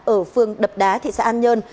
ở phương đập đá thị xã an nhơn